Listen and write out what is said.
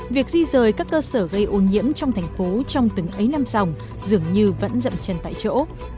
với các cơ sở gây ô nhiễm trong thành phố trong từng ấy năm sòng dường như vẫn dậm chân tại chỗ